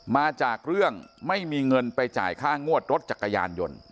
มาจากเรื่องไม่มีเงินไปจ่ายค่างวดรถจักรยานยนต์